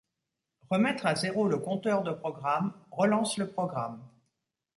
Remettre à zéro le Compteur de Programme relance le programme.